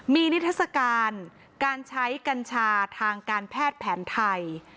มีนิทัศกาลการใช้กัญชาทางการแพทย์แผนไทย